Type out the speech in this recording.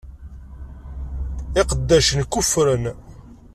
Iqeddacen kuffren.